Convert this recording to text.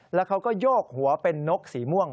แล้วเขาก็โยกหัวเป็นนกสีม่วง